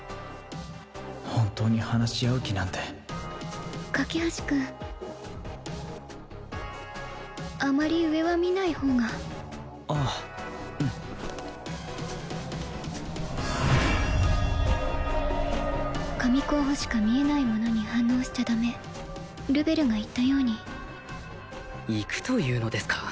本当に話し合う気なんて架橋君あまり上は見ない方があっうん神候補しか見えないものに反応しちゃダメルベルが言ったように行くというのですか？